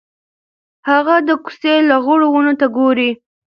هغه د کوڅې لغړو ونو ته ګوري.